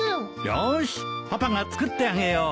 よーしパパが作ってあげよう。